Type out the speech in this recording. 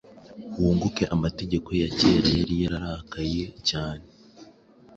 Wunguke amategeko ya kera yari yararakaye cyane